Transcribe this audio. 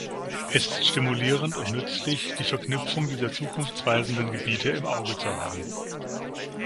Es ist stimulierend und nützlich, die Verknüpfung dieser zukunftsweisenden Gebiete im Auge zu haben.